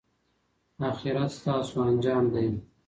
اخرت ستاسو انجام دی.